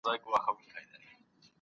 ما خپله لیکنه په منطقي توګه ترتیب کړه.